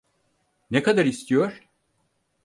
Ne kadar istiyor?